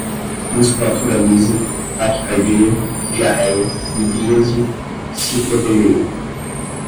musculatura lisa, taquicardia, diarreia, midríase, ciclopegia